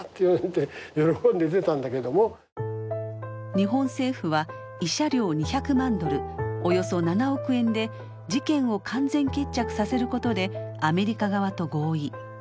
日本政府は慰謝料２００万ドルおよそ７億円で事件を完全決着させることでアメリカ側と合意。